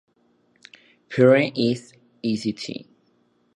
Pere i St.